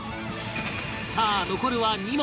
さあ残るは２問